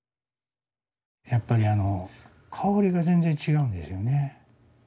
やっぱりあのかおりが全然違うんですよね。